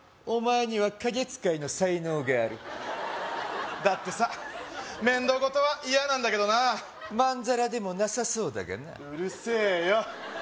お前には影使いの才能があるだってさ面倒ごとは嫌なんだけどなまんざらでもなさそうだがなうるせえよ